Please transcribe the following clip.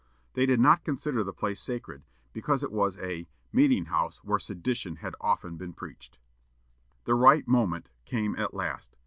They did not consider the place sacred, because it was a "meeting house where sedition had often been preached." The "right moment" came at last.